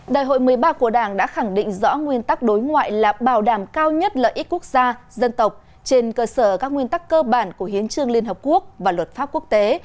đại hội một mươi ba của đảng đã khẳng định rõ nguyên tắc đối ngoại là bảo đảm cao nhất lợi ích quốc gia dân tộc trên cơ sở các nguyên tắc cơ bản của hiến trương liên hợp quốc và luật pháp quốc tế